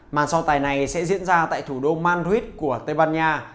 màn so tài này sẽ diễn ra tại thủ đô madrid của tây ban nha